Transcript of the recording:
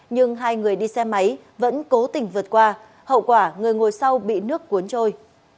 nhưng hai người đi xe máy vẫn cố tình vượt qua hậu quả người ngồi sau bị nước cuốn trôi